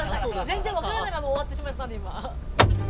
全然分からないまま終わってしまったんで今。